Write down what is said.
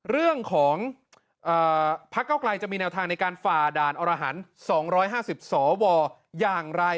เรื่องของพักเก้าไกลจะมีแนวทางในการฝ่าด่านอรหันต์๒๕๐สวอย่างไร